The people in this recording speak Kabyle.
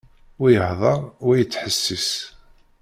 Wa ihedder, wa yettḥessis.